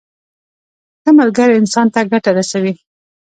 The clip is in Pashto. ښه ملګری انسان ته ګټه رسوي.